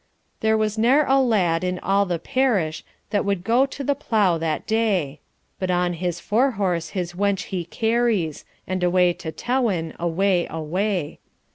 There was ne'er a lad in all the parish That would go to the plough that day; But on his fore horse his wench he carries. And away to Tewin, away, away!